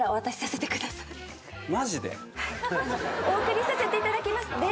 お送りさせていただきます。